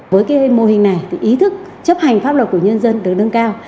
với mô hình này ý thức chấp hành pháp luật của nhân dân được nâng cao